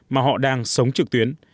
mà họ đang sống trực tuyến